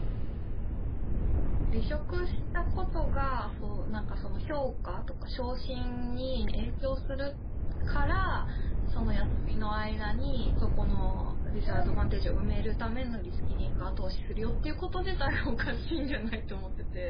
離職したことが、なんかその評価とか、昇進に影響するから、その休みの間に、そこのディスアドバンテージを埋めるためのリスキリングを後押しするということ自体がおかしいんじゃないかと思っていて。